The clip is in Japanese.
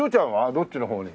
どっちのほうに？